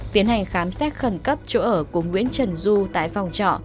tiến hành khám xét khẩn cấp chỗ ở của nguyễn trần du tại phòng trọ